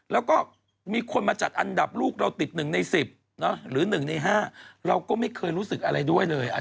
แล้วก็มีคนมาจัดอันดับลูกเราติด๑ใน๑๐หรือ๑ใน๕เราก็ไม่เคยรู้สึกอะไรด้วยเลย